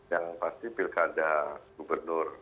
yang pasti pilkada gubernur